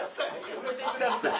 やめてください。